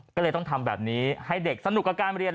ก็เลยต้องทำแบบนี้ให้เด็กสนุกกับการเรียน